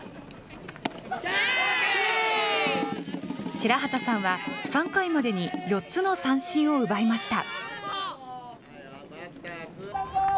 白畑さんは、３回までに４つの三振を奪いました。